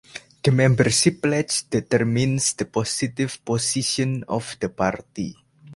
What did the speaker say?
The membership pledge determines the positive position of the party.